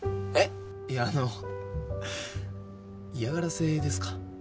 えっいやあの嫌がらせですか？